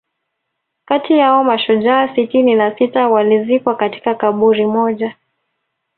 kati yao mashujaa sitini na sita walizikwa katika kaburi moja